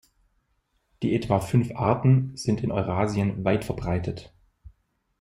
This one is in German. Die etwa fünf Arten sind in Eurasien weitverbreitet.